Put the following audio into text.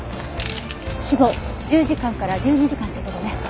死後１０時間から１２時間ってとこね。